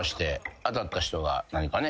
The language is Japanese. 当たった人が何かね